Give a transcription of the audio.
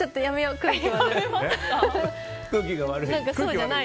空気悪い。